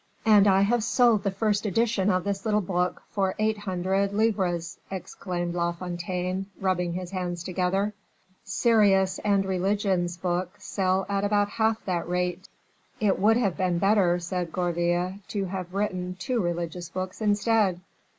"And I have sold the first edition of this little book for eight hundred livres," exclaimed La Fontaine, rubbing his hands together. "Serious and religions books sell at about half that rate." "It would have been better," said Gourville, "to have written two religious books instead."